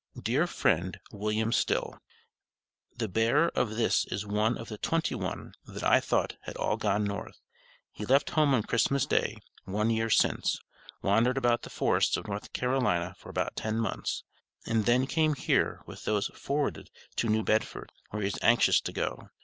DEAR FRIEND, WILLIAM STILL: The bearer of this is one of the twenty one that I thought had all gone North; he left home on Christmas day, one year since, wandered about the forests of North Carolina for about ten months, and then came here with those forwarded to New Bedford, where he is anxious to go.